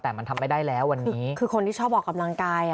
แต่มันทำไม่ได้แล้ววันนี้คือคนที่ชอบออกกำลังกาย